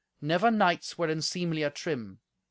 Never knights were in seemlier trim.